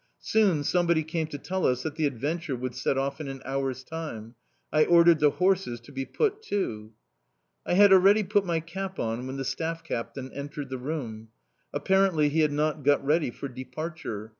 Soon somebody came to tell us that the "Adventure" would set off in an hour's time. I ordered the horses to be put to. I had already put my cap on when the staff captain entered the room. Apparently he had not got ready for departure.